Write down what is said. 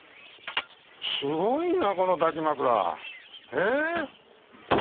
すごいなこの抱き枕。え。